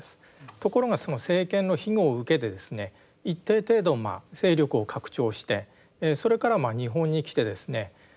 ところがその政権の庇護を受けてですね一定程度勢力を拡張してそれから日本に来てですね